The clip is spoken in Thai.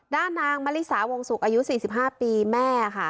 ด้านนางมะลิสาวงศุกร์อายุ๔๕ปีแม่ค่ะ